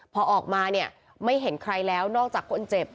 พอออกมาเนี่ยไม่เห็นใครแล้วนอกจากคนเจ็บ